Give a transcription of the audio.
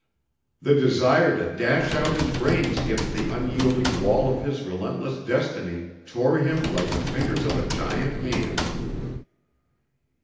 The desire to dash out his brains against the unyielding wall of his relentless destiny tore him like the fingers of a giant hand.